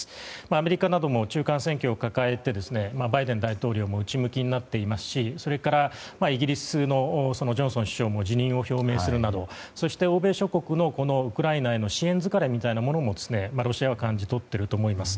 アメリカなども中間選挙を抱えてバイデン大統領も内向きになっていますしそれからイギリスのジョンソン首相も辞任を表明するなどそして欧米諸国のウクライナへの支援疲れみたいなものもロシアは感じ取っていると思います。